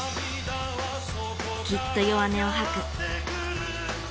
きっと弱音をはく。